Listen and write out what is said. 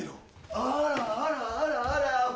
あらあらあらあら。